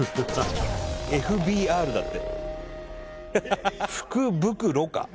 ＦＢＲだって。